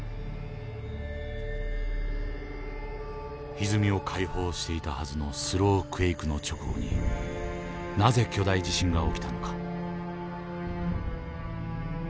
ひずみを解放していたはずのスロークエイクの直後になぜ巨大地震が起きたのか。